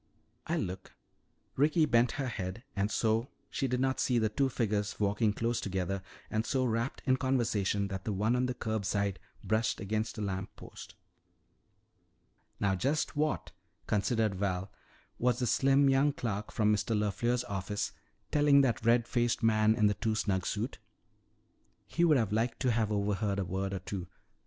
"I'll look." Ricky bent her head and so she did not see the two figures walking close together and so rapt in conversation that the one on the curb side brushed against a lamp post. Now just what, considered Val, was the slim young clerk from Mr. LeFleur's office telling that red faced man in the too snug suit? He would have liked to have overheard a word or two.